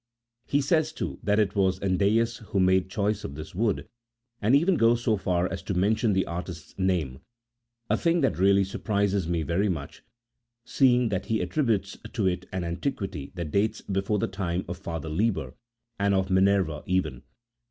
He says, too, that it was Endaaus who made choice of this wood, and even goes so far as to mention the artist's name, a thing that really surprises me very much, see in that he attributes to it an antiquity that dates before the times of Father Liber, and of Minerva even.